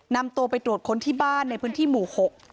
นำตัวไปตรวจค้นที่บ้านในพื้นที่หมู่๖